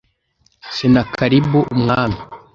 Senakeribu umwami